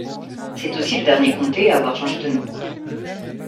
C’est aussi le dernier comté à avoir changé de nom.